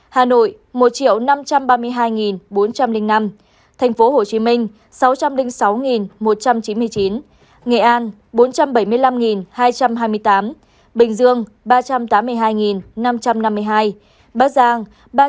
hà nội một năm trăm ba mươi hai bốn trăm linh năm tp hcm sáu trăm linh sáu một trăm chín mươi chín nghệ an bốn trăm bảy mươi năm hai trăm hai mươi tám bình dương ba trăm tám mươi hai năm trăm năm mươi hai bắc giang ba trăm bảy mươi chín tám trăm một mươi bảy